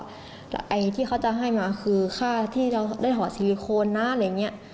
ไอ้ที่เขาจะให้มาคือค่าที่เราได้ถอดซีลิโคนนะอะไรอย่างนี้